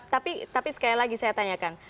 tapi sekali lagi saya tanyakan